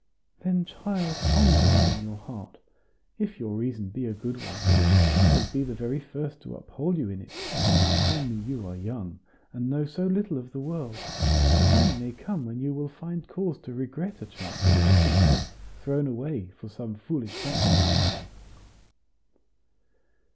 "Then, child, unburden your heart. If your reason be a good one, I shall be the very first to uphold you in it. Only you are young, and know so little of the world. A time may come when you will find cause to regret a chance of happiness thrown away for some foolish fancy now."